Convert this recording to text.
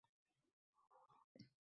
Keyin g‘amgin ohangda qo‘shib qo‘ydi: